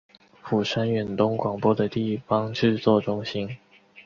釜山远东广播的地方制作中心。